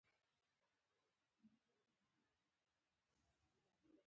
لارډ نارت بروک په دې عقیده وو چې غولونکي خبرې ونه شي.